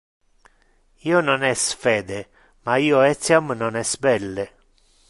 Io non es fede ma io etiam non es belle.